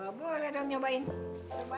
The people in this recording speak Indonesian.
emang tau dong emang tau